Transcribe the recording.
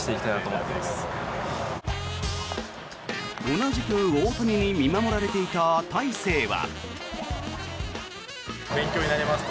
同じく大谷に見守られていた大勢は。